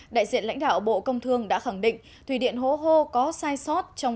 đại diện lãnh đạo bộ công thương đã khẳng định thủy điện hố hô có sai sót trong